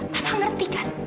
papa ngerti kan